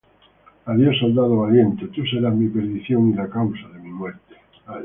“Adiós, soldado valiente” Tú serás mi perdición y la causa de mi muerte